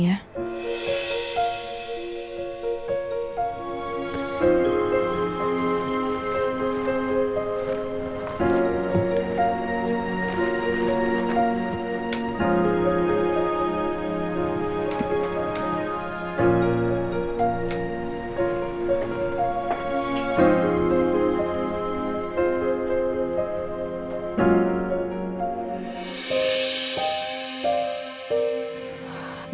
iya nanti nanti